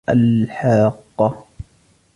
الْحَاقَّةُ